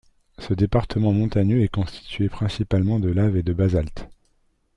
Ce département montagneux est constitué principalement de laves et de basaltes.